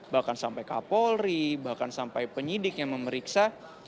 bahkan sampai kapolri bahkan sampai penyidik yang memeriksa